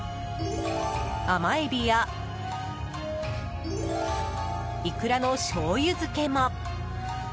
甘エビやイクラのしょうゆ漬けも。